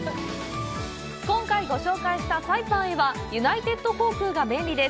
今回ご紹介したサイパンへは、ユナイテッド航空が便利です。